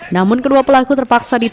namun kedua pelaku terpaksa dibawa